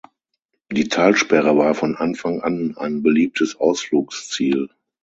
Die Talsperre war von Anfang an ein beliebtes Ausflugsziel.